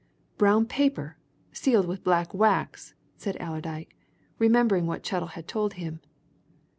"Brown paper, sealed with black wax!" said Allerdyke, remembering what Chettle had told him.